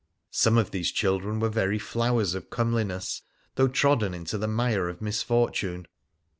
Some of these children were very flowers of comeli ness, though trodden into the mire of misfortune.